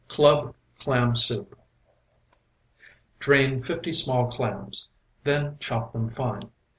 CLUB CLAM SOUP Drain fifty small clams, then chop them fine.